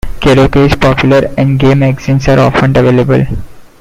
Karaoke is popular, and gay magazines are often available.